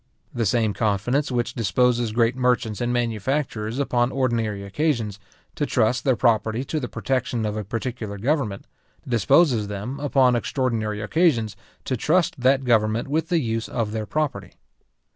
The same confidence which disposes great merchants and manufacturers upon ordinary occasions, to trust their property to the protection of a particular government, disposes them, upon extraordinary occasions, to trust that government with the use of their property.